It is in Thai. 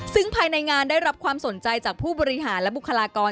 ซึ่งภายในงานได้รับความสนใจจากผู้บริหารและบุคลากร